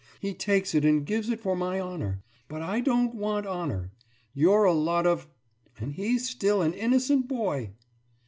He takes it and gives it for my honour. But I don't want honour! You're a lot of ... and he's still an innocent boy!